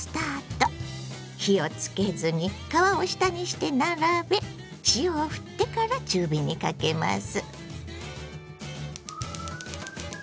火をつけずに皮を下にして並べ塩をふってから中火にかけます。